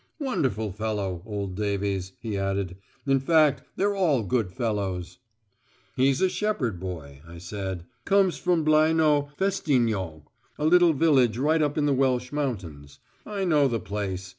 "Wonderful fellow, old Davies," he added. "In fact they're all good fellows." "He's a shepherd boy," I said. "Comes from Blaenau Festiniog, a little village right up in the Welsh mountains. I know the place.